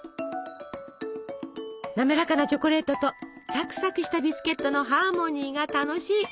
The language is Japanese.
滑らかなチョコレートとサクサクしたビスケットのハーモニーが楽しい！